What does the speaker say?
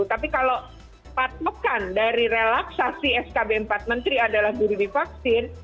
tapi kalau patokan dari relaksasi skb empat menteri adalah guru divaksin